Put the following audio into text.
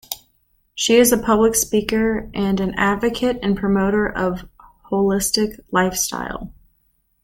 She is a public speaker and an advocate and promoter of a holistic lifestyle.